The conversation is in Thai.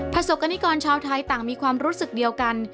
ประสบกรณิกรชาวไทยต่างมีความรู้สึกเดียวกัน